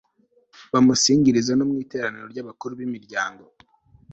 bamusingirize no mu iteraniro ry'abakuru b'imiryango